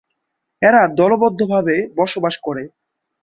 এরা দলবদ্ধভাবে বসবাস করে।